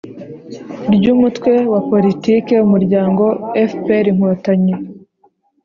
Ry umutwe wa politique umuryango fprinkotanyi